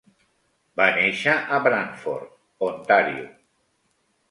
Va néixer a Brantford, Ontario.